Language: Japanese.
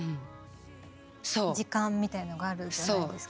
時間みたいなのがあるじゃないですか。